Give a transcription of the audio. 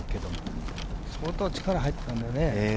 相当力が入っていたんだね。